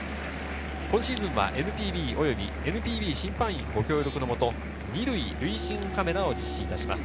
今シーズンはＮＰＢ及びＮＰＢ審判員ご協力のもと、２塁塁審カメラを実施いたします。